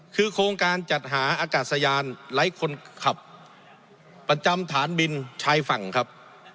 คือโครงการจัดหาอากาศยานไร้คนขับประจำฐานบินชายฝั่งครับ